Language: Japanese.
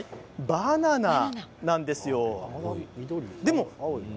バナナなんですよ。